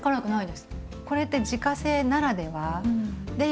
これって自家製ならではで